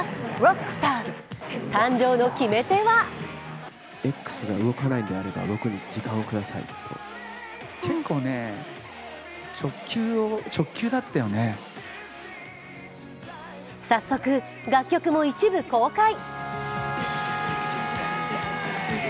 誕生の決め手は早速、楽曲も一部公開。